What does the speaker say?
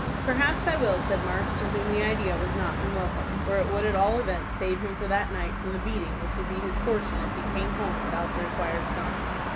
"Perhaps I will," said Mark, to whom the idea was not unwelcome, for it would at all events save him for that night from the beating which would be his portion if he came home without the required sum.